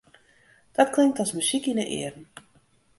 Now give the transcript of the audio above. Dat klinkt as muzyk yn 'e earen.